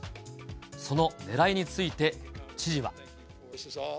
そのねらいについて、知事は。